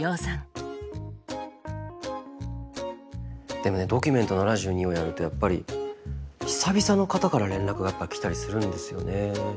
でもね「ドキュメント７２」をやるとやっぱり久々の方から連絡がやっぱ来たりするんですよね。